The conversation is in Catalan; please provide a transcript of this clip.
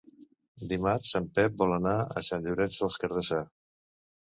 Dimarts en Pep vol anar a Sant Llorenç des Cardassar.